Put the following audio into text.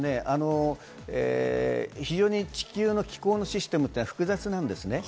地球の気候システムは複雑なんですね。